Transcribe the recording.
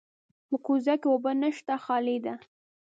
په کوزه کې اوبه نشته، خالي ده.